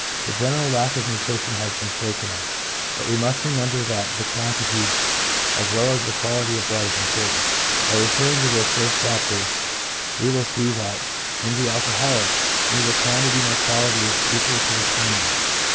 The general lack of nutrition has been spoken of, but we must remember that the quantity as well as the quality of the blood is important. By referring to the first chapter we will see that in the alcoholic neither quantity nor quality is equal to the standard.